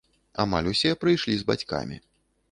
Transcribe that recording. Амаль усе прыйшлі з бацькамі.